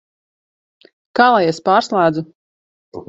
Kā lai es pārslēdzu?